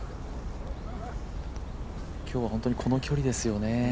今日は本当にこの距離ですよね。